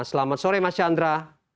selamat sore mas chandra